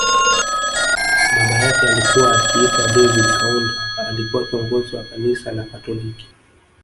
Baba yake alikuwa akiitwa David Kaunda alikuwa kiongozi Wa kanisa la katoliki